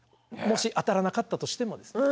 もし当たらなかったとしてもですね。